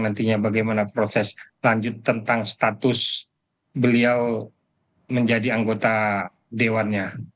nantinya bagaimana proses lanjut tentang status beliau menjadi anggota dewannya